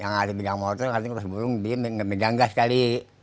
yang ada yang pegang motor nanti lepas burung dia ngepegang gas sekali